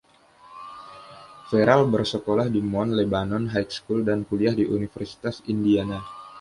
Ferrall bersekolah di Mount Lebanon High School dan kuliah di Universitas Indiana.